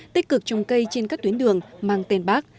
tích cực trồng cây trên các tuyến đường mang tên bác